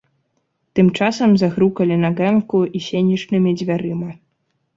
Тым часам загрукалі на ганку і сенечнымі дзвярыма.